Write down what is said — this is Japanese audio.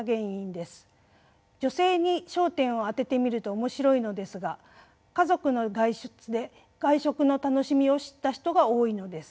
女性に焦点を当ててみると面白いのですが家族の外出で外食の楽しみを知った人が多いのです。